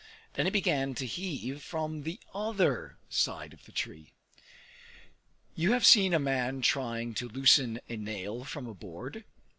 Then he began to heave from the other side of the tree. You have seen a man trying to loosen a nail from a board?